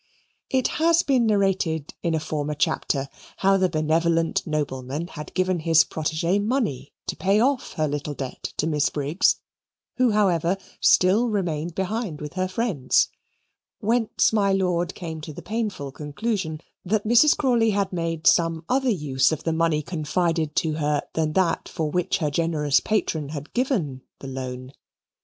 It has been narrated in a former chapter how the benevolent nobleman had given his protegee money to pay off her little debt to Miss Briggs, who however still remained behind with her friends; whence my lord came to the painful conclusion that Mrs. Crawley had made some other use of the money confided to her than that for which her generous patron had given the loan.